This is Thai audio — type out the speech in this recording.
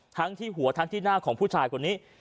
ทั้งที่หัวทั้งที่หน้าของผู้ชายคนนี้